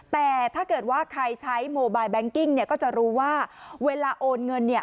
แต่ถ้าเกิดว่าใครใช้โมบายแบงกิ้งเนี่ยก็จะรู้ว่าเวลาโอนเงินเนี่ย